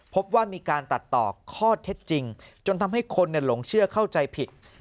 พบว่ามีการตัดต่อข้อเท็จจริงจนทำให้คนหลงเชื่อเข้าใจผิด